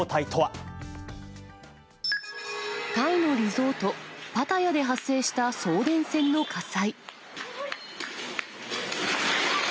タイのリゾート、パタヤで発生した送電線の火災。